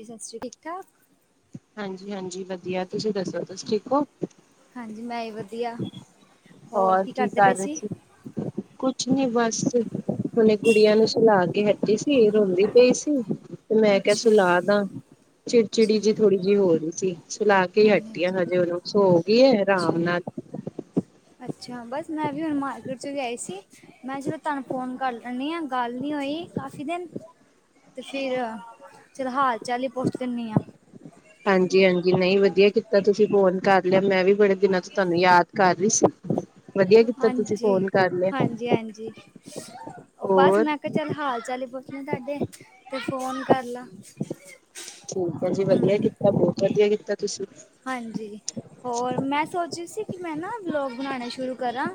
ਜੀ ਸਤਿ ਸ਼੍ਰੀ ਠੀਕ ਠਾਕ ਹਾਂਜੀ-ਹਾਂਜੀ ਵਧੀਆ ਤੁਸੀਂ ਦੱਸੋ ਤੁਸੀ ਠੀਕ ਹੋ ਹਾਂਜੀ ਮੈਂ ਹੀ ਵਧੀਆ ਹੋਰ ਕੀ ਕਰ ਰਹੇ ਸੀ ਕੁਛ ਨੀ ਬਸ ਹੁਨੇ ਕੁੜੀਆਂ ਨੂੰ ਸੁਲਾ ਕੇ ਹਟੀ ਸੀ ਰੋਂਦੀ ਪਈ ਸੀ ਤੇ ਮੈਂ ਕਿਹਾ ਅੱਛਾ ਅੱਛਾ ਸੁਲਾਦਾ ਚਿੜਚਿੜੀ ਜਿਹੀ ਥੋੜ੍ਹੀ ਜਿਹੀ ਹੋ ਰਹੀ ਸੀ ਸੁਲਾ ਕੇ ਹਾਂਜੀ ਹਟੀੀਆਂ ਹਾਂਜੀ ਹਜੇ ਉਹਨੂੰ ਸੋ ਹੋ ਗਈ ਹੈ ਰਾਮ ਅੱਛਾ ਨਾਲ [inaudible] ਅੱਛਾ ਬਸ ਮੈਂ ਵੀ ਹੁਣ ਮਾਰਕੀਟ ਚ ਆਈ ਸੀ ਮੈਂ ਚਲੋ ਤੁਹਾਨੂੰ ਫੋਨ ਕਰ ਲੈਂਦੀ ਹਾਂ ਗੱਲ ਨਹੀਂ ਹੋਈ ਕਾਫੀ ਦਿਨ ਤੇ ਫਿਰ-ਚੱਲ ਹਾਲ ਚਾਲੀ ਪੁੱਛ ਲੈਣੀ ਆ ਹਾਂਜੀ-ਹਾਂਜੀ ਨਹੀਂ ਵਧੀਆ ਕੀਤਾ ਤੁਸੀਂ ਫੋਨ ਕਰ ਲਿਆ ਮੈਂ ਵੀ ਬੜੇ ਦਿਨਾਂ ਤੋਂ ਤੁਹਾਨੂੰ ਯਾਦ ਕਰ [inaudible] ਕੀਤਾ ਤੁਸੀਂ ਫੋਨ ਕਰ ਲਿਆ ਹਾਂਜੀ-ਹਾਂਜੀ-ਹਾਂਜੀ ਉਹ ਬਸ ਹੋਰ ਮੈਂ ਕਿਹਾ ਚੱਲ ਹਾਲ ਚਾਲ ਪੁੱਛਣੇ ਤੁਹਾਡੇ ਤੇ ਫੋਨ ਕਰ ਲਾ ਠੀਕ ਹੈ ਜੀ ਵਧੀਆ ਹੂੰ ਕੀਤਾ ਬਹੁਤ ਵਧੀਆ ਕੀਤਾ ਤੁਸੀਂ ਹਾਂਜੀ ਹੋਰ ਮੈਂ ਸੋਚੀ ਸੀ ਮੈਂ ਨਾ ਬਲੋਗ ਬਣਾਉਣਾ ਸ਼ੁਰੂ ਕਰਾਂ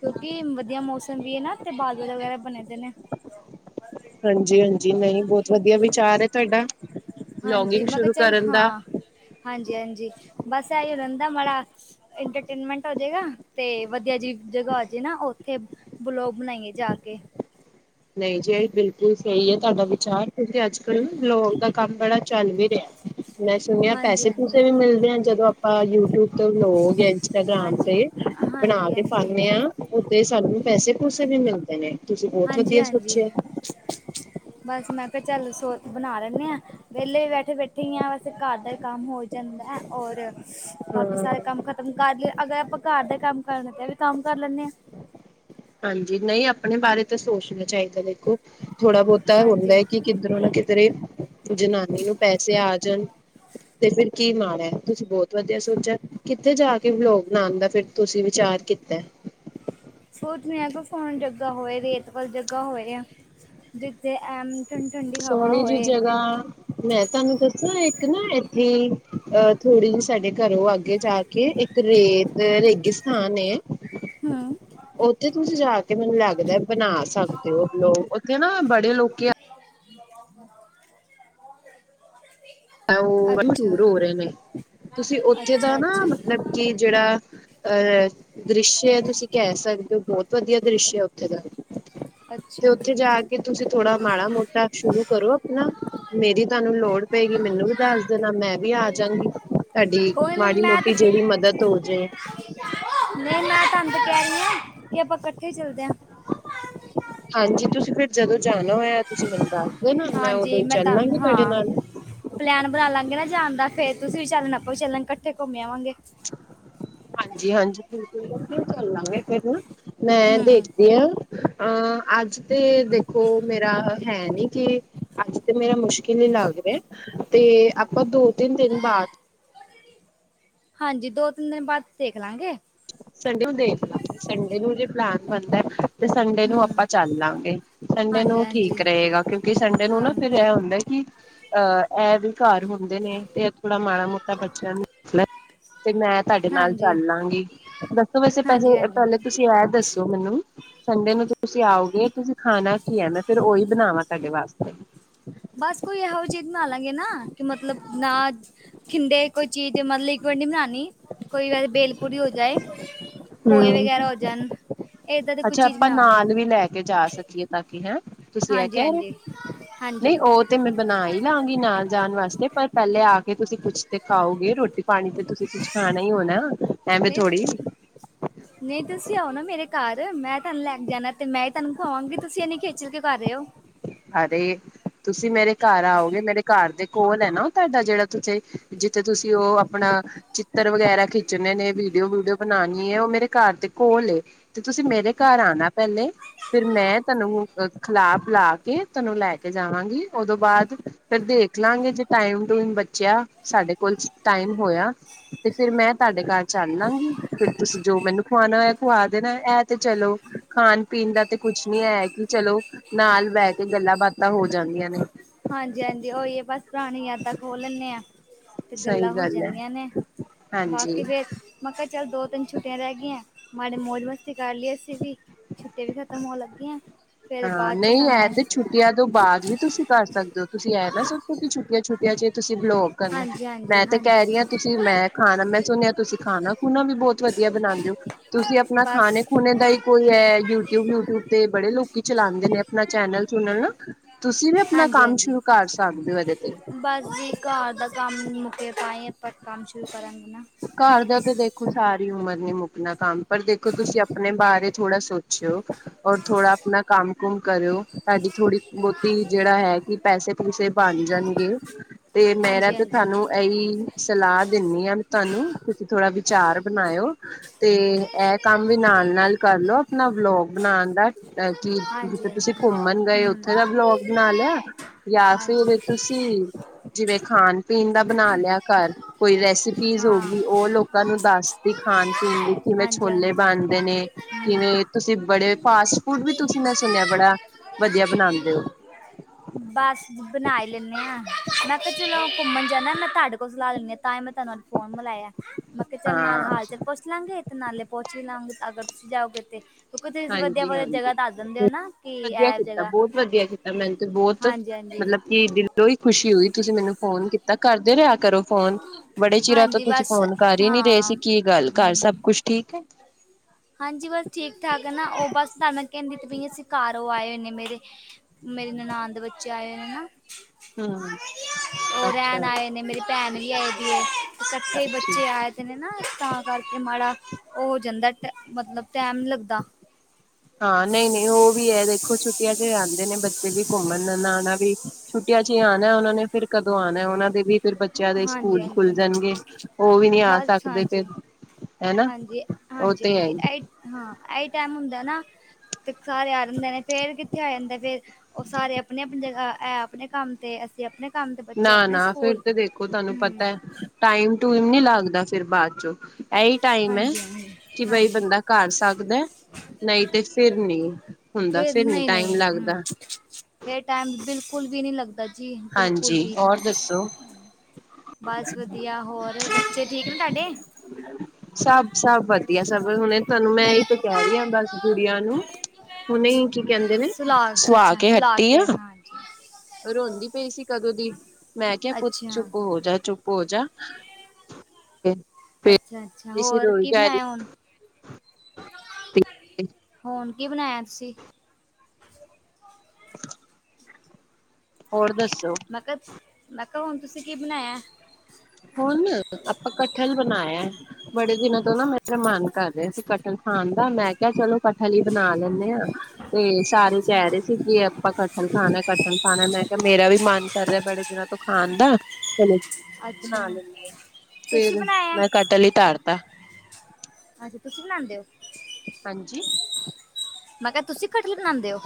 ਕਿਉਂਕਿ ਵਧੀਆ ਮੌਸਮ ਵੀ ਹੈ ਨਾ ਤੇ ਬਾਦਲ ਵਗੈਰਾ ਬਣੇ [inaudible] ਹਾਂਜੀ-ਹਾਂਜੀ ਨਹੀਂ ਬਹੁਤ ਵਧੀਆ ਵਿਚਾਰ ਤੁਹਾਡਾ ਹਾਂਜੀ ਵਲੋਗਿੰਗ ਮੈਂ ਕਿਹਾ ਸ਼ੁਰੂ ਚੱਲ ਕਰਨ ਦਾ ਹਾਂ ਹਾਂਜੀ-ਹਾਂਜੀ ਬਸ ਇਹੀ ਰਹਿੰਦਾ ਮਾੜਾ ਇੰਟਰਟੇਨਮੈਂਟ ਹੋਜੇਗਾ ਤੇ ਵਧੀਆ ਜੀ ਜਗਾ ਹੋ ਜਾੇ ਨਾ ਉੱਥੇ ਬਲੋਗ ਬਣਾਈਏ ਜਾ ਕੇ [inaudible] ਨਹੀਂ ਜੀ ਬਿਲਕੁਲ ਸਹੀ ਹੈ ਤੁਹਾਡਾ ਵਿਚਾਰ ਕਿਉਂਕਿ ਅੱਜ ਕੱਲ੍ਹ ਲੋਕ ਦਾ ਕੰਮ ਬੜਾ ਚੱਲ ਵੀ ਰਿਹਾ ਮੈਂ ਸੁਣਿਆ ਹਾਂਜੀ ਪੈਸੇ ਹਾਂਜੀ ਪੂਸੇ ਵੀ ਮਿਲਦੇ ਆ ਜਦੋਂ ਆਪਾਂ ਯੂਟਿਊਬ ਤੋਂ ਬਲੌਗ ਇੰਸਟਾਗ੍ਰਾਮ ਹਾਂਜੀ ਤੇ ਬਣਾ ਹਾਂਜੀ ਹਾਂਜੀ ਕੇ ਪਾਂਦੇ ਹਾਂਜੀ ਹਾਂ ਉੱਤੇ ਸਾਨੂੰ ਪੈਸੇ ਪੂਸੇ ਵੀ ਮਿਲਦੇ ਨੇ ਤੁਸੀਂ ਬਹੁਤ ਵਧੀਆ ਹਾਂਜੀ-ਹਾਂਜੀ ਸੋਚਿਆ ਬਸ ਮੈਂ ਕਿਹਾ ਚੱਲ ਸੋਤ ਬਣਾ ਲੈਂਦੇ ਆਾਂ ਵਿਹਲੇ ਬੈਠੇ-ਬੈਠੇ ਹੀ ਆ ਬਸ ਘਰ ਦਾ ਕੰਮ ਹੋ ਜਾਂਦਾ ਔਰ ਬਾਕੀ ਹਾਂ ਸਾਰੇ ਕੰਮ ਕਰ ਕੰਮ ਕਰ ਲ ਅਗਰ ਆਪਾਂ ਘਰ ਦੇ ਕੰਮ ਕਰਨੇ ਤੇ ਵੀ ਕੰਮ ਕਰ ਲੈਂਦੇ ਹਾਂ ਹਾਂਜੀ ਨਹੀਂ ਆਪਣੇ ਬਾਰੇ ਤਾਂ ਸੋਚਣਾ ਚਾਹੀਦਾ ਦੇਖੋ ਥੋੜ੍ਹਾ ਬਹੁਤਾ ਹੁੰਦਾ ਹਾਂਜੀ ਹੈ ਕਿ ਕਿਧਰੋਂ ਨਾ ਕਿਧਰੇ ਜਨਾਨੀ ਨੂੰ ਪੈਸੇ ਆ ਜਾਣ ਤੇ ਫਿਰ ਕੀ ਮਾੜਾ ਤੁਸੀਂ ਬਹੁਤ ਵਧੀਆ ਸੋਚਿਆ ਕਿੱਥੇ ਜਾ ਕੇ ਲੋਕੋਗ ਬਣਾਉਦਾ ਫਿਰ ਤੁਸੀਂ ਵਿਚਾਰ ਕੀਤਾ। ਸੋਚ ਆ ਕਿ ਫੋਨ ਜਗਾ ਹੋਏ ਰੇਤ ਜੋਗਾ ਹੋਏ ਜਿੱਥੇ ਐਮ ਠੰਡੀ ਠੰਡੀ ਹਵਾ ਸੋਹਣੀ ਜੀ ਹੋਏ ਜਗ੍ਹਾ ਮੈਂ ਤੁਹਾਨੂੰ ਦੱਸਾਂ। ਇੱਕ ਨਾ ਇੱਥੇ ਅਹ ਥੋੜ੍ਹੀ ਜਿਹੀ ਸਾਡੇ ਘਰੋਂ ਅੱਗੇ ਜਾ ਕੇ ਇੱਕ ਰੇਤ ਰੇਗੀ ਸਥਾਨ ਹੈ ਹੂੰ ਉੱਥੇ ਤੁਸੀਂ ਜਾ ਕੇ ਮੈਨੂੰ ਲੱਗਦਾ ਬਣਾ ਸਕਦੇ ਹੋ ਲੋਕ ਉੱਥੇ ਨਾ ਬੜੇ ਲੋਕ ਆ [inaudible] ਉਹ ਅੱਛਾ ਮਸ਼ਹੂਰ ਹੋ ਰਹੇ ਨੇ ਤੁਸੀਂ ਉੱਥੇ ਦਾ ਅੱਛਾ ਨਾ ਅੱਛਾ ਮਤਲਬ ਕਿ ਜਿਹੜਾ ਅਹ ਦ੍ਰਿਸ਼ਯ ਹੈ ਤੁਸੀਂ ਕਹਿ ਸਕਦੇ ਹੋ ਬਹੁਤ ਵਧੀਆ ਦ੍ਰਿਸ਼ਯ ਹੈ ਉੱਥੇ ਦਾ ਤੇ ਅੱਛਾ ਉੱਥੇ ਜੀ ਜਾ ਕੇ ਤੁਸੀਂ ਥੋੜਾ ਮਾੜਾ ਮੋਟਾ ਸ਼ੁਰੂ ਕਰੋ ਆਪਣਾ ਮੇਰੀ ਤੁਹਾਨੂੰ ਲੋੜ ਪਏਗੀ? ਮੈਨੂੰ ਵੀ ਦੱਸ ਦੇਣਾ ਮੈਂ ਵੀ ਆ ਜਾਂਗੀ ਤੁਹਾਡੀ ਕੋਈ ਨਹੀਂ ਮਾੜੀ ਮੈਂ ਤਾਂ ਮੋਟੀ ਕਿ- ਜਿਹੜੀ ਮਦਦ ਹੋਜੇ [inaudible] ਨਹੀਂ ਮੈਂ ਤੰਦ ਕਹਿ ਰਹੀ ਐ ਕਿ ਆਪਾਂ ਇਕੱਠੇ ਚਲਦੇ ਆ ਹਾਂਜੀ ਤੁਸੀਂ ਫਿਰ ਜਦੋਂ ਜਾਣਾ ਹੋਇਆ ਤੁਸੀਂ ਦੱਸਦੋ? ਨਾਲ ਮੈਂ ਉਦੋਂ ਹਾਂਜੀ ਹੀ ਤਾਂ ਚੱਲਾਂਗੀ ਤੁਹਾਡੇ ਹਾਂ ਨਾਲ ਪਲਾਨ ਬਣਾ ਲਾਂਗੇ ਨਾ ਜਾਣ ਦਾ ਫੇਰ ਤੁਸੀਂ ਵੀ ਚੱਲਣ ਆਪਾਂ ਚੱਲਣ ਇਕੱਠੇ ਘੁੰਮੇ ਆਵਾਂਗੇ। ਹਾਂਜੀ-ਹਾਂਜੀ ਬਿਲਕੁਲ ਕਿ ਚਲਾਂਗੇ ਫਿਰ ਨਾ ਮੈਂ ਹੂੰ ਦੇਖਦੀ ਹਾਂ ਅਹ ਅੱਜ ਤੇ ਦੇਖੋ ਮੇਰਾ ਹੈ ਨੀ ਕਿ ਅੱਜ ਤੇ ਮੇਰਾ ਮੁਸ਼ਕਿਲ ਲੱਗ ਰਿਹਾ ਤੇ ਆਪਾਂ ਦੋ ਤਿੰਨ ਦਿਨ ਬਾਅਦ ਹਾਂਜੀ ਦੋ ਤਿੰਨ ਦਿਨ ਬਾਅਦ ਦੇਖਣਗੇ, ਸੰਡੇ ਨੂੰ ਦੇਖ ਲ ਸੰਡੇ ਨੂੰ ਜੇ ਪਲਾਨ ਬਣਦਾ। ਤੇ ਸੰਡੇ ਨੂੰ ਹੂੰ ਆਪਾਂ ਚੱਲ ਲਾਂਗੇ ਸੰਡੇ ਹਾਂਜੀ ਨੂੰ ਹਾਂਜੀ ਠੀਕ ਰਹੇਗਾ ਕਿਉਂਕਿ ਸੰਡੇ ਨੂੰ ਨਾ ਹਾਂ ਫਿਰ ਇਹ ਹੁੰਦਾ ਕਿ ਅਹ ਇਹ ਵੀ ਘਰ ਹੁੰਦੇ ਨੇ ਤੇ ਇਹ ਥੋੜਾ ਮਾੜਾ ਮੋਟਾ ਬੱਚਿਆਂ ਨੂੰ ਤੇ ਮੈਂ ਤੁਹਾਡੇ ਨਾਲ ਹਾਂਜੀ ਚੱਲ ਲਾਂਗੀ ਦੱਸੋ ਵੈਸੇ ਪੈਸੇ ਹਾਂਜੀ ਹਾਂਜੀ ਪਹਿਲੇ ਤੁਸੀਂ ਇਹ ਦੱਸੋ? ਮੈਨੂੰ ਸੰਡੇ ਨੂੰ ਤੁਸੀਂ ਆਓਗੇ ਤੁਸੀਂ ਖਾਣਾ ਕੀ ਹੈ ਮੈਂ ਫਿਰ ਓਹੀ ਬਣਾਵਾਂ ਤੁਹਾਡੇ ਵਾਸਤੇ ਬਸ ਕੋਈ ਇਹੋ ਚੀਜ ਬਨਾ ਲਾਂਗੇ ਨਾ ਕਿ ਮਤਲਬ ਨਾ ਖਿੰਦੇ ਕੋਈ ਚੀਜ਼ ਮਤਲਬ ਵਢਡੀ ਬਣਾਉਣੀ ਕੋਈ ਵੈਸ ਭੇਲ ਪੂਰੀ ਹੋ ਜਾਏ ਪੋਹੇ ਹਮ ਵਗੈਰਾ ਹੋ ਜਾਣ ਇਦਾਂ ਦੀ ਕੋਈ ਅੱਛਾ ਚੀਜ਼ ਆਪਾਂ ਬਣਾਵਾਂਗੇ ਨਾਲ ਵੀ ਲੈ ਕੇ ਜਾ ਸਕੀਏ ਤਾਂ ਕਿ ਤੁਸੀਂ ਇਹ ਕਹਿ ਰਹੇ ਹੋ? ਹਾਂਜੀ-ਹਾਂਜੀ, ਨਹੀਂ ਉਹ ਤੇ ਮੈਂ ਬਣਾ ਹੀ ਲਵਾਂਗੀ ਨਾਲ ਜਾਣ ਵਾਸਤੇ ਪਰ ਪਹਿਲੇ ਆ ਤੁਸੀਂ ਕੁਛ ਤੇ ਖਾਓਗੇ ਰੋਟੀ ਪਾਣੀ ਤੇ ਤੁਸੀਂ ਕੁਛ ਖਾਣਾ ਹੀ ਹੋਣਾ ਏਂਵੇ ਨਹੀਂ ਥੋੜੀ ਨਹੀਂ ਤੁਸੀਂ ਆਓ ਨਾ ਮੇਰੇ ਘਰ ਮੈਂ ਤੁਹਾਨੂੰ ਲੈ ਕੇ ਜਾਣਾ ਤੇ ਮੈਂ ਤੁਹਾਨੂੰ ਖਵਾਵਾਂਗੀ ਤੁਸੀਂ ਇਹਨੀ ਖੇਚਲ ਕਿਓਂ ਕਰ ਦਿਓ ਅਦੇ ਤੁਸੀਂ ਮੇਰੇ ਘਰ ਆਓਗੇ ਮੇਰੇ ਘਰ ਦੇ ਕੋਲ ਹੈ ਨਾ ਉਹ ਤੁਹਾਡਾ ਜਿਹੜਾ ਤੁਥੇ ਜਿੱਥੇ ਤੁਸੀਂ ਉਹ ਆਪਣਾ ਚਿੱਤਰ ਵਗੈਰਾ ਖਿੱਚਣੇ ਨੇ ਵੀਡੀਓ-ਵੀਡੀਓ ਬਣਾਣੀ ਹੈ ਉਹ ਮੇਰੇ ਘਰ ਦੇ ਘੋਲ ਏ ਤੇ ਤੁਸੀਂ ਮੇਰੇ ਘਰ ਆਣਾ ਪਹਿਲੇ ਫਿਰ ਮੈਂ ਤੁਹਨੂੰ ਖਿਲਾ ਪਿਲਾ ਕ ਕੇ ਤੁਹਾਨੂੰ ਲੈ ਕੇ ਜਾਵਾਂਗੀ ਉਦੋਂ ਬਾਅਦ ਫੇਰ ਦੇਖ ਲਾਂਗੇ ਜੇ ਟਾਈਮ ਟੂਮ ਬੱਚਿਆ ਸਾਡੇ ਤੁਹਾਡੇ ਕੋਲ ਟਾਈਮ ਹੋਇਆ ਤੇ ਫੇਿਰ ਮੈਂ ਤੁਹਾਡੇ ਘਰ ਚੱਲ ਲਾਂਗੀ ਫੇਰ ਤੁਸੀਂ ਜੋ ਮੈਨੂੰ ਖਵਾਣਾ ਮ ਖਵਾ ਦੇਣਾ ਇਹ ਤੇ ਚਲੋ ਖਾਣ ਪੀਣ ਦਾ ਤੇ ਕੁਛ ਨੀ ਹੈ ਕਿ ਚਲੋ ਨਾਲ ਬਹਿ ਕੇ ਤੇ ਗੱਲਾਂ ਬਾਤਾਂ ਹੋ ਜਾਂਦੀਆਂ ਨੇ ਹਾਂਜੀ-ਹਾਂਜੀ ਉਹੀਏ ਬਸ ਪੁਰਾਣੀ ਯਾਦਾਂ ਖੋਲ ਲੈਂਣੇ ਆ ਤੇ ਸਹੀ ਗੱਲਾਂ ਹੋ ਗੱਲ ਹੈ ਜਾਂਦੀਆਂ ਨੇ ਹਾਂਜੀ ਬਾਕੀ ਫੇਰ ਮੈਂ ਕਿਹਾ ਚੱਲ ਦੋ ਤਿੰਨ ਛੁੱਟੀਆਂ ਰਹਿ ਗਈਆਂ ਮਾੜੀ ਮੌਜ ਮਸਤੀ ਕਰ ਲਈਏ ਅਸੀਂ ਵੀ ਛੁੱਟਟੀ ਵੀ ਖ਼ਤਮ ਹੋਣ ਲੱਗੀਆਂ- ਫਿਰ ਹਾਂ ਬਾਅਦ ਚ ਨਹੀਂ ਇਹ ਸਾਨੂੰ ਤੇ ਛੁੱਟੀਆਂ ਤੋਂ ਬਾਅਦ ਵੀ ਤੁਸੀਂ ਕਰ ਸਕਦੇ ਤੁਸੀਂ ਆਏ ਨਾ ਸਭੋ ਕਿ ਛੱਟੀਆਂ-ਛੁਟੀਆਂ ਚੇ ਤੁਸੀਂ ਲੋਕ ਹਾਂਜੀ ਹਾਂਜੀ ਮੈਂ ਤੇ ਹਾਂਜੀ ਕਹਿ ਰਹੀ ਹਾਂ ਤੁਸੀਂ ਮੈਂ ਖਾਣਾ ਮੈਂ ਸੁਣਿਆ ਤੁਸੀਂ ਖਾਣਾ ਖੂਣਾ ਵੀ ਬਹੁਤ ਵਧੀਆ ਤੁਸੀਂ ਆਪਣਾ ਬਸ ਖਾਣੇ ਖੂਣੇ ਦਾ ਹੀ ਕੋਈ ਹੈ ਯੂਟਿਊਬ-ਯੂਟਿਊਬ ਤੇ ਬੜੇ ਲੋਕ ਚਲਾਉਂਦੇ ਨੇ ਆਪਣਾ ਚੈਨਲ ਚੂਣਲ ਨਾ ਤੁਸੀਂ ਵੀ ਆਪਣਾ ਹਾਂਜੀ ਕੰਮ ਹਾਂਜੀ ਸ਼ੁਰੂ ਕਰ ਸਕਦੇ ਹੋ ਇਹਦੇ ਤੇ ਬਸ ਜੀ ਘਰ ਦਾ ਕੰਮ ਮੁੱਕੇ ਪਾਏ ਪ ਕੰਮ ਸ਼ੁਰੂ ਕਰ ਦੇ ਨਾਲ ਘਰ ਦਾ ਤਾਂ ਦੇਖੋ ਸਾਰੀ ਉਮਰ ਨ ਮੁੱਕਣਾ ਕੰਮ ਪਰ ਦੇਖੋ ਤੁਸੀਂ ਆਪਣੇ ਬਾਰੇ ਥੋੜਾ ਸੋਚਿ ਹੋ ਔਰ ਥੋੜਾ ਆਪਣਾ ਕੰਮ ਕੁਮ ਕਰਿਓ ਤੁਹਾਡੀ ਥੋੜ੍ਹੀ ਬਹੁਤੀ ਜਿਹੜਾ ਹੈ ਕਿ ਪੈਸੇ ਪੂਸੇ ਬਣ ਜਾਣ ਤੇ ਮੈਂ ਨਾ ਹਾਂਜੀ ਤੇ ਹਾਂਜੀ ਤੁਹਾਨੂੰ ਇਹੀ ਸਲਾਹ ਦਿੰਨੀ ਹਾਂ ਤੁਹਾਨੂੰ ਤੁਸੀਂ ਥੋੜਾ ਵਿਚਾਰ ਬਣਾਇਓ ਤੇ ਇਹ ਕੰਮ ਵੀ ਨਾਲ-ਨਾਲ ਕਰਲੋ ਆਪਣਾ ਵਲੋਗ ਬਣਾਉਣ ਦਾ ਕਿ ਜਿੱਥੇ ਹਾਂਜੀ ਤੁਸੀਂ ਹਾਂਜੀ ਘੁੰਮਣ ਗਏ ਹਮ ਉੱਥੇ ਦਾ ਬਲੋਗ ਬਣਾ ਲਿਆ ਜਾਂ ਫਿਰ ਹਾਂਜੀ ਤੁਸੀਂ ਜਿਵੇਂ ਖਾਣ ਪੀਣ ਦਾ ਬਣਾ ਲਿਆ ਘਰ ਕੋਈ ਰੈਸਪੀ ਹੋ ਹਾਂ ਗਈ ਉਹ ਲੋਕਾਂ ਨੂੰ ਦੱਸਦੀ ਖਾਣ ਪੀਣ ਲਈ ਕਿਵੇਂ ਹਾਂਜੀ ਲੇ ਬਣਦੇ ਨੇ ਹਾਂਜੀ ਹਮ। ਕਿਵੇਂ ਤੁਸੀਂ ਬੜੇ ਫਾਸਟ ਫੂਡ ਵੀ ਤੁਸੀਂ ਮੈਂ ਸੁਣਿਆ ਬੜਾ ਵਧੀਆ ਬਣਾਉਦੇ ਹੋ ਬਸ ਬਣਾਈ ਲੈਂਦੇਂਆਾਂ ਮੈਂ ਕਿਹਾ ਚਲੋ ਘੁੰਮਣ ਜਾਂਦਾ ਮੈਂ ਤੁਹਾਡੇ ਕੋਲ ਸਲਾਹ ਲੈਂਦੀ ਆਾਂ ਤਾਂ ਮੈਂ ਤੁਹਾਨੂੰ ਫੋਨ ਮਿਲਾਇਆ ਮੈਂ ਕਿਹਾ ਚੱਲ ਨਾਲ ਹਾਂ ਹਾਲ ਚ ਪੁੱਛ ਲਾਂਗੇ ਤੇ ਨਾਲੇ ਪਹੁੰਚ ਵੀ ਲਓਗੇ ਅਗਰ ਤੁਸੀਂ ਜਾਓਗੇ ਤੇ ਤੁਸੀਂ ਵਧੀਆ ਹਾਂਜੀ ਵਧੀਆ ਹਾਂਜੀ ਜਗ੍ਹਾ ਦੱਸ ਦਿੰਦੇ ਹੋ ਨਾ ਕਿ ਇਹ ਜਗ੍ਹਾ ਬਹੁਤ ਹਾਂਜੀ ਹਾਂਜੀ ਮਤਲਬ ਕੀ ਦਿਲੋਂ ਹੀ ਖੁਸ਼ੀ ਹੋਈ ਤੁਸੀਂ ਮੈਨੂੰ ਫੋਨ ਕੀਤਾ ਕਰਦੇ ਰਿਹਾ ਕ- ਕਰੋ ਫੋਨ ਬੜੇ ਚਿਰਾਂ ਤੋਂ ਹਾਂਜੀ ਤੁਸੀਂ ਬਸ ਫੋਨ ਕਰ ਹੀ ਨਹੀਂ ਰਹੇ ਹਾਂ ਅਸੀਂ ਕੀ ਗੱਲ ਕਰ ਹਮ ਸਭ ਕੁਝ ਠੀਕ ਹ ਹਾਂਜੀ ਬਸ ਠੀਕ ਠਾਕ ਮੇਰੇ ਨਾਲ ਆਣ ਦੇ ਵਿੱਚ ਆਏ ਹਨਾ ਹਮ ਰਹਿਣ ਅੱਛਾ ਆਏ ਨੇ ਮੇਰੀ ਭੈਣ ਨਹੀ ਸਾਖੀ ਅੱਛਾ ਬੱਚੇ ਆਏ ਤੇ ਨੇ ਨਾ ਤਾਂ ਕਰਕੇ ਮਾੜਾ ਉਹ ਚਲਦਾ ਮਤਲਬ ਟਾਈਮ ਲੱਗਦਾ ਨਹੀਂ ਨਹੀਂ ਉਹ ਵੀ ਇਹ ਦੇਖੋ ਕੈਸੇ ਆਉਂਦੇ ਨੇ ਬੱਚੇ ਵੀ ਘੁੰਮਣ ਨਾਲ ਫਿਰ ਬੱਚਿਆਂ ਦੇ ਹਾਂਜੀ ਸਕੂਲ ਖੁੱਲ ਹਾਂਜੀ ਜਾਣਗੇ ਉਹ ਵੀ ਨਹੀਂ ਆ ਬਸ ਸਕਦੇ ਹਾਂਜੀ ਫਿਰ ਹਨਾ ਹਾਂਜੀ ਉਹ ਤੇ ਹ ਸਾਰੇ ਆਰ ਹੁੰਦੇ ਨੇ ਫੇਰ ਕਿੱਥੇ ਆ ਜਾਂਦੇ ਫਿਰ ਉਹ ਸਾਰੇ ਆਪਣੇ ਆਪਣੇ ਕੰਮ ਤੇ ਅਸੀਂ ਆਪਣੇ ਕੰਮ ਤੇ ਬੱਚੇ ਨਾ ਆਪਣੇ ਨਾ ਫਿਰ ਸਕੂਲ ਤੇ ਦੇਖੋ ਤੁਹਾਨੂੰ ਪਤਾ ਹੂੰ ਟਾਈਮ ਟੂ ਇਨੀ ਲੱਗਦੀ ਦਾ ਫਿਰ ਬਾਅਦ ਚੋ ਐਹੀ ਟਾਈਮ ਹ ਹਾਂਜੀ ਹਾਂਜੀ ਕਿ ਬਈ ਹਾਂਜੀ ਬੰਦਾ ਘਰ ਸਕਦਾ ਨਹੀਂ ਤੇ ਫਿਰ ਨਹੀਂ ਹੁੰਦਾ ਸਿਰ ਨੀ ਟਾਈਮ ਲੱਗਦਾ ਤੇ ਟਾਈਮ ਬਿਲਕੁਲ ਵੀ ਨਹੀਂ ਲੱਗਦਾ ਜੀ ਬਿਲਕੁਲ ਹਾਂਜੀ ਵੀ ਇਹ ਔਰ ਦੱਸੋ ਟਾਈਮ ਬਸ ਸਾਬ ਸਾਬ ਵਧੀਆ ਸਰ ਹੁਣ ਤੁਹਾਨੂੰ ਮੈਂ ਇਥੇ ਕਹਿ ਰਹੀ ਆ ਬਸ ਕੁੜੀਆਂ ਨੂੰ ਕੀ ਕਹਿੰਦੇ ਨੇ ਸੁਲਾਖ ਅੱਛਾ ਸਵਾ ਅੱਛਾ ਕੇ ਸੁਲਾਖ ਹੱਟੀ ਕੇ ਹਾਂਜੀ ਢੋਂਦੀ ਪਈ ਸੀ ਕਦੋਂ ਦੀ ਮੈਂ ਕਿਹਾ ਕੁਝ ਅੱਛਾ ਚੁੱਪ ਹੋ ਜਾ ਚੁੱਪ ਪੋਜਾ ਅੱਛਾ ਅੱਛਾ ਹੋਰ ਕੀ ਬਣਾਇਆ ਹੁਣ ਹੁਣ ਕੀ ਬਣਾਇਆ ਤੁਸੀਂ ਹ ਹੋਰ ਮਕ ਬੰਦ ਆਪਾਂ ਕਠਲ ਬਣਾਇਆ ਬੜੇ ਦਿਨਾਂ ਤੋਂ ਨਾ ਮੈਂ ਪ੍ਰਮਾਨ ਕਰ ਰਿਹਾ ਸੀ ਜਾਣਦਾ ਮੈਂ ਕਿਹਾ ਚਲੋ ਹਨੀ ਬਣਾ ਲੈਣੇ ਆ ਤੇ ਸਾਰੇ ਅੱਛਾ ਕਹਿ ਰਹੇ ਸੀ ਵੀ ਆਪਾਂ ਕੱਟਣ ਖਾਨਾ ਕੱਟਣ ਖਾਨਾ ਮੈਂ- ਮੇਰਾ ਵੀ ਮਾਨ ਕਰ ਰਿਹਾ ਬੜੇ ਦਿਨਾਂ ਤੋਂ ਖਾਨ ਦਾ- ਅੱਛਾ ਹਾਂਜੀ ਤੁਸੀਂ ਫੇਰ ਬਣਾਇਆ ਮੈਂ ਕਟਲ ਹੀ ਤਰ ਤਾ ਅੱਛਾ ਤੁਸੀਂ ਬਣਾਂਦੇ ਹੋ। ਹਾਂਜੀ। ਮੈਂ ਕਯਾ ਤੁਸੀ ਕਟਲ ਬਣਾਣਦੇ ਹੋ?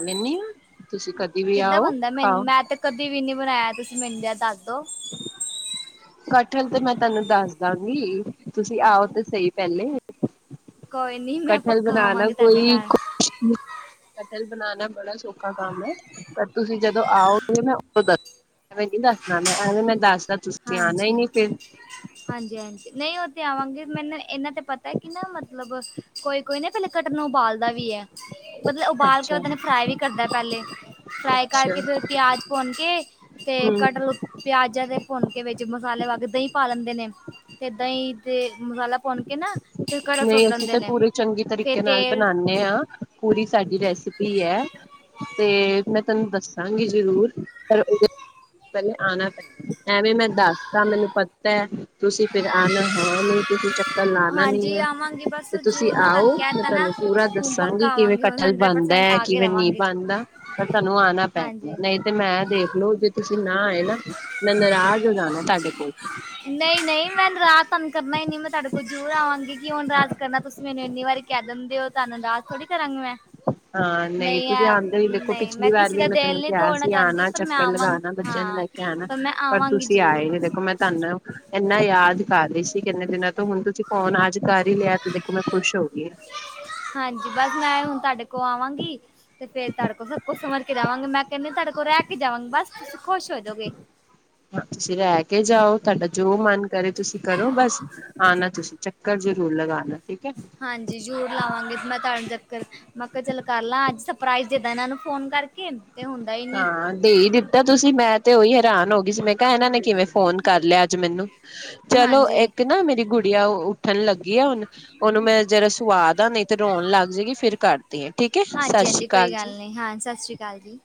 ਨਨੀ- ਕਿੱਦਾ ਬਣਦਾ ਹੈ ਮੈਂ ਤੇ ਕਦੀ ਵੀ ਨਹੀਂ ਬਣਾਇਆ ਤੁਸੀ ਮਨੁ ਜਰਾ ਦਸ ਦੋ। ਕਟਲ ਤਾਂ ਮੈਂ ਤੁਹਾਨੂੰ ਦਸ ਦਾਂਗੀ ਤੁਸੀ ਆਓ ਤੇ ਸਹੀ ਪਹਿਲੇ- ਕੋਈ ਨੀ ਮੈਂ ਕਠਲ ਪੱਕਾ ਬਣਾਣਾ ਆਵਾਂਗੀ ਤੁਹਾਡੇ ਕੋਈ ਘਰ। ਕਤਲ ਬਾਨਾ ਭੋਤ ਸੋ ਖਾ ਕਾਮ ਹੈ ਜਦੋਂ ਤੁਸੀ ਆਓ ਗਏ ਨਾ ਆਓ ਧੋ ਦਸ ਘੀ ਐਵੇਂ ਨਹੀਂ ਦੇਣਾ ਮੈਂ ਸੋਵ ਨਹੀਂ ਦੇਣਾ ਮੈਂ ਤੁਸੀਂ ਆਣਾ ਹੀ ਨੀ ਫਿਰ ਹਾਂਜੀ-ਹਾਂਜੀ-ਹਾਂਜੀ! ਜੇ ਮੈਨੂੰ ਇਹਨਾਂ ਤੇ ਪਤਾ ਕਿ ਨਾ ਮਤਲਬ ਕੋਈ-ਕੋਈ ਨਾ ਕਟਲ ਨੂੰ ਉਬਾਲਦਾ ਵੀ ਹੈ। ਮਤਲਬ ਉਬਾਲ ਕੇ ਅੱਛਾ ਉਹਦੇ ਨੇ ਫਰਾਈ ਵੀ ਕਰਦਾ- ਫਰਾਈ ਕਰਕੇ ਅੱਛਾ ਫਿਰ ਕੀ ਪਿਆਜ ਪੁਨ ਕੇ ਤੇ ਹਮ ਕਟਲ ਪਿਆਜਾ ਤੇ ਹਲਕੇ ਵਿੱਚ ਮਸਾਲੇ ਨਾ ਕੇ ਦਹੀ ਪਾ ਲੈਂਦੇ ਨੇ ਤੇ ਇਦਾਂ ਹੀ ਨਹੀਂ ਅਸੀਂ ਲੈਂਦੇ ਤੇ ਨੇ। ਪੂਰੀ ਚੰਗੀ ਫਿਰ ਤਰੀਕੇ ਨਾਲ ਤੇਲ ਬਣਾਣੇ ਆ। ਸਾਡੀ ਰੈਸਪੀ ਐ ਤੇ ਮੈਂ ਤੁਹਾਨੂੰ ਦੱਸਾਂਗੀ ਜਰੂਰ ਪਰ- ਪਹਿਲੇ ਆਣਾ ਪੈਣਾ ਐਵੇਂ ਮੈਂ ਦੱਸ ਤਾਂ ਮੈਨੂੰ ਪਤਾ ਤੁਸੀਂ ਫਿਰ ਆਣਾ ਹੈ ਨੀ ਕਲ ਆਣਾ ਨੀ ਹਾਂਜੀ ਐ ਆਵਾਂਗੀ ਬਸ ਤੇ ਤੁਸੀਂ ਜ਼ਰੂਰ ਮੈਂ ਤੁਹਾਨੂੰ ਆਓ ਕਹਿ ਮੈਂ ਤਾ ਨਾ ਤੁਹਾਨੂੰ ਪੂਰਾ ਹੁਣ ਦੱਸਾਂਗੀ ਪੱਕਾ ਕਿਵੇਂ ਆਵਾਂਗੀ ਹੁਣ ਕਠਲ ਹੰਡਰਡ ਬੰ ਪਰਸੈਂਟ ਦੈ ਆ ਕੇ ਕਿਵੇਂ ਨਈ ਰਵਾਂਗੀ। ਬਣਦਾ ਪਰ ਤੁਹਾਨੂੰ ਆਣਾ ਪੈ ਹਾਂਜੀ ਨਈ ਤੇ ਮੈਂ ਦੇਖਲੋ ਜੇ ਤੁਸੀਂ ਨਾ ਆਏ ਨਾ ਮੈਂ ਨਾਰਾਜ਼ ਹੋ ਜਾਣਾ ਤੁਹਾਡੇ ਕੋਲ ਤਾਡੇ ਕੋਲ ਜ਼ਰੂਰ ਆਵਾਂਗੀ ਕਿਉਂ ਨਰਾਜ ਕਰਨਾ ਤੁਸੀ ਮੈਨੂੰ ਇੰਨੀ ਵਾਰੀ ਕੈ ਦਿੰਦੇ ਓ ਤੁਹਾਨੂੰ ਨਰਾਜ ਥੋੜੀ ਕਰਾਂਗੀ ਮੈਂ ਹਾਂ ਨਈ ਨਹੀਂ ਤੁਸੀਂ ਐ ਆਂਦੇ ਹੀ ਦੇਖੋ ਨਹੀਂ ਪਿਛਲੀ ਵਾਰ ਕਿਸੇ ਵੀ ਦਾ ਮੈਂ ਤੈਨੂੰ ਦਿਲ ਨਹੀਂ ਕਿਆ ਤੋੜਨਾ ਸੀ ਚਾਹੁੰਦੀ ਆਣਾ ਪਰ ਮੈਂ ਚੱਕਰ ਆਵਾਂਗੀ ਲਗਾਣਾ ਬੱਚੇ- ਚਿਆਂ ਨੂੰ ਹਾਂ ਲੈ ਕੇ ਆਣਾ ਮੈਂ ਪਰ ਆਵਾਂਗੀ ਤੁਸੀਂ ਆਏ ਜ਼ਰੂਰ ਨੀ ਦੇਖੋ ਮੈਂ ਤੁਹਾਨੂੰ ਐਨਾ ਯਾਦ ਕਰ ਰੀ ਸੀ ਕਿੰਨੇ ਦਿਨਾਂ ਤੋਂ ਹੁਣ ਤੁਸੀਂ ਫੌਨ ਅੱਜ ਕਰ ਈ ਲਿਆ ਤੇ ਦੇਖੋ ਮੈਂ ਖੁਸ਼ ਹੋ ਗੀ। ਕੋ ਆਵਾਂਗੀ ਤੇ ਫ਼ੇਰ ਤਾਡੇ ਕੋਲ ਸਭ ਕੁਝ ਸਮਝ ਕੇ ਜਾਵਾਂਗੀ ਮੈਂ ਕੈਨੀ ਆ ਤੁਹਾਡੇ ਕੋਲ ਰਹਿ ਕੇ ਜਾਵਾਂਗੀ ਬਸ ਖੁਸ਼ ਹੋਜੋਗੇ ਹਾਂ ਤੁਸੀਂ ਰੈ ਕੇ ਜਾਓ ਤੁਹਾਡਾ ਜੋ ਮਨ ਕਰੇ ਤੁਸੀਂ ਕਰੋ ਬਸ ਆ ਨਾ ਤੁਸੀਂ ਚੱਕਰ ਜ਼ਰੂਰ ਲਗਾਣਾ ਠੀਕ ਐ! ਹਾਂਜੀ ਜ਼ਰੂਰ ਲਾਵਾਂਗੇ ਮੈਂ ਤਾਂਨੂੰ ਚੱਕਰ ਮੈਂ ਕਾ ਚੱਲ ਕਰ ਲਾਂ ਅੱਜ ਸਰਪ੍ਰਾਈਜ਼ ਦੇਦਾਂ ਏਨਾਂ ਨੂੰ ਫੋਨ ਕਰਕੇ। ਤੇ ਹੁੰਦਾ ਹੀ ਨਹੀਂ ਹਾਂ ਦੇਈ ਦਿੱਤਾ ਤੁਸੀਂ ਮੈਂ ਤੇ ਓਹੀ ਹੈਰਾਨ ਹੋ ਗੀ ਸੀ ਮੈਂ ਕਾ ਏਨਾਂ ਨੇ ਕਿਵੇਂ ਫੋਨ ਕਰ ਲਿਆ ਅੱਜ ਮੈਨੂੰ- ਚਲੋ ਹਾਂਜੀ ਇੱਕ ਨਾ ਮੇਰੀ ਗੁ--ਪ ੜੀਆ ਉੱਠਣ ਲੱਗੀ ਐ ਓਨੂੰ ਮੈਂ ਜਰਾ ਸਵਾ ਦਾ ਨਹੀਂ ਤੇ ਰੋਣ ਲੱਗ ਜੇਗੀ ਫਿਰ ਕਰਦੀ ਆ- ਠੀਕ ਹੈ ਸਤਿ ਸ੍ਰੀ ਹਾਂਜੀ-ਹਾਂਜੀ ਕੋਈ ਅਕਾਲ ਜੀ ਗੱਲ ਨੀ ਹਾਂ ਸਤਿ ਸ੍ਰੀ ਅਕਾਲ ਜੀ।